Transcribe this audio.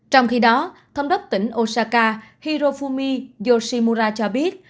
trong khi đó thông đốc tỉnh osaka hirofumi yoshimura cho biết